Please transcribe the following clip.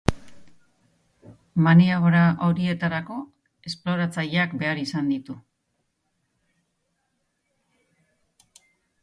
Maniobra horietarako, esploratzaileak behar izan ditu.